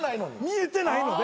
見えてないので。